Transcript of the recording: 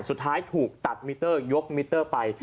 สุดท้ายถูกตัดมิเตอร์ยกมิเตอร์ไป